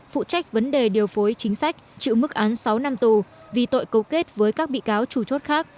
phụ trách vấn đề điều phối chính sách chịu mức án sáu năm tù vì tội cấu kết với các bị cáo chủ chốt khác